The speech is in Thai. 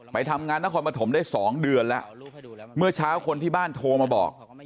ไปทำงานนครปฐมได้๒เดือนแล้วเมื่อเช้าคนที่บ้านโทรมาบอก